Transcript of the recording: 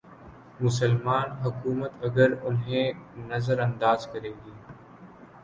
مسلماںحکومت اگر انہیں نظر انداز کرے گی۔